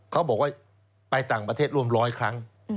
เขาบอกว่าไปต่างประเทศร่วมร้อยครั้ง